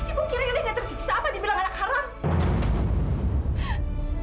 ibu kira ibu gak tersiksa apa dia bilang anak haram